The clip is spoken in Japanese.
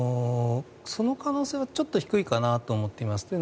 その可能性は低いかなと思っています。